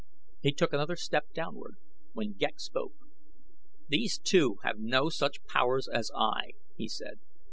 He took another step downward, when Ghek spoke. "These two have no such powers as I," he said.